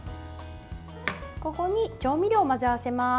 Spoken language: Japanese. ここに調味料を混ぜ合わせます。